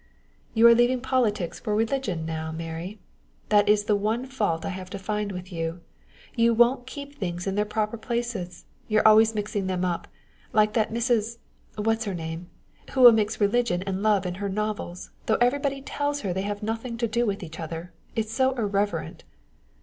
"You are leaving politics for religion now, Mary. That is the one fault I have to find with you you won't keep things in their own places! You are always mixing them up like that Mrs. what's her name? who will mix religion and love in her novels, though everybody tells her they have nothing to do with each other! It is so irreverent!"